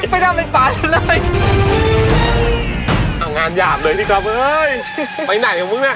ที่กลับร่วมอยู่ไหนอะ